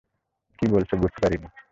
কী বলছো তা বুঝতে পারিনি।